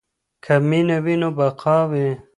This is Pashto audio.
که مینه وي نو بقا وي.